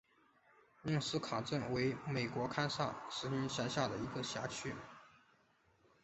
宁斯卡镇区为美国堪萨斯州塞奇威克县辖下的镇区。